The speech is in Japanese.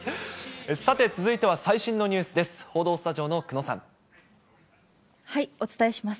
さて、続いては最新のニュースです。